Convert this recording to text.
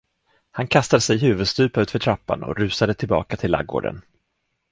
Han kastade sig huvudstupa utför trappan och rusade tillbaka till lagården.